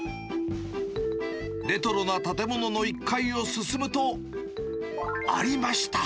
レトロな建物の１階を進むと、ありました。